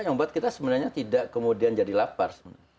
yang membuat kita sebenarnya tidak kemudian jadi lapar sebenarnya